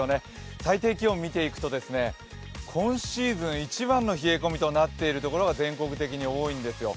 最低気温見ていくと、今シーズン一番の冷え込みとなっている所が全国的に多いんですよ。